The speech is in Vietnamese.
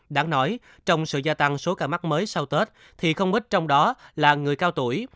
đáng nói trong sự gia tăng số ca mắc mới sau tết thì không ít trong đó là người cao tuổi